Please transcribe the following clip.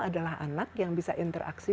adalah anak yang bisa interaksi